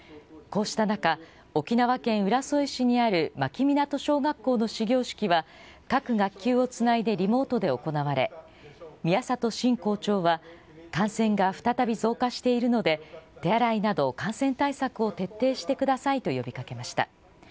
こうした中、沖縄県浦添市にある牧港小学校の始業式は各学級をつないでリモートで行われ、宮里晋校長は感染が再び増加しているので、手洗いなど、感染対策を徹底してくださいと呼びかけました。